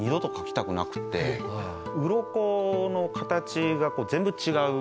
うろこの形が全部違う。